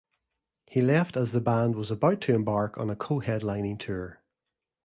He left as the band was about to embark on a co-headlining tour.